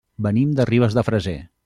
Venim de Ribes de Freser.